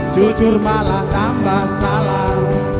jujur malah tambah salah